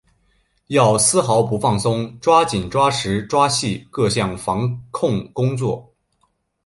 要毫不放松抓紧抓实抓细各项防控工作